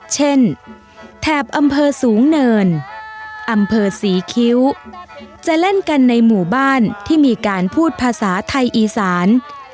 แถบอำเภอสูงเนินอำเภอศรีคิ้วจะเล่นกันในหมู่บ้านที่มีการพูดภาษาไทยอีสาน